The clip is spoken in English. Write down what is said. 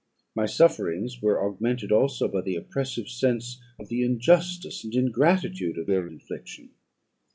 My sufferings were augmented also by the oppressive sense of the injustice and ingratitude of their infliction.